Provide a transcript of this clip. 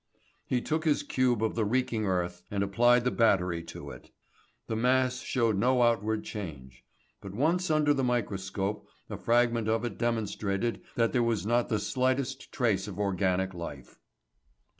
He took his cube of the reeking earth and applied the battery to it. The mass showed no outward change. But once under the microscope a fragment of it demonstrated that there was not the slightest trace of organic life.